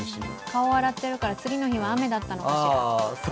顔を洗ってるから次の日は雨だったのかしら。